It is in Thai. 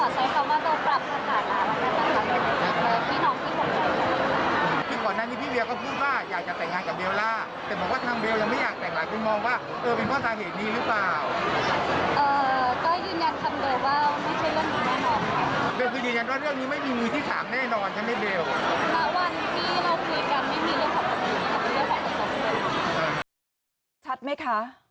ชัดไหมคะ